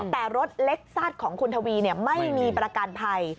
แต่รถเล็กซาดของคุณทวีไม่มีประกันภัย